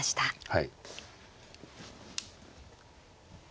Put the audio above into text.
はい。